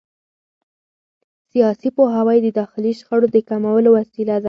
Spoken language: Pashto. سیاسي پوهاوی د داخلي شخړو د کمولو وسیله ده